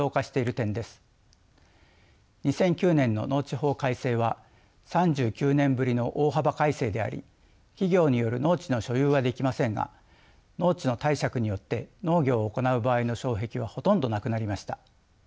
２００９年の農地法改正は３９年ぶりの大幅改正であり企業による農地の所有はできませんが農地の貸借によって農業を行う場合の障壁はほとんどなくなりました。